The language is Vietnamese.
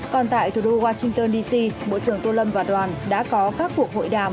còn tại thủ đô washington d c bộ trưởng tô lâm và đoàn đã có các cuộc hội đàm